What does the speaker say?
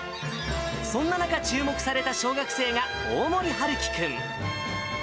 そんな中、注目された小学生が大森陽生君。